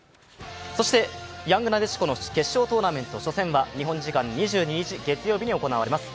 そしてヤングなでしこの決勝トーナメント初戦は日本時間２２日、月曜日に行われます